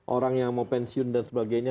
orang yang mau pensiun dan sebagainya